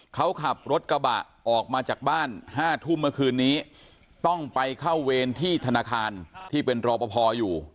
เขาขับรถกระบะออกมาจากบ้าน๕ทุ่มเมื่อคืนนี้ต้องไปเข้าเวรที่ธนาคารที่เป็นรอปภอยู่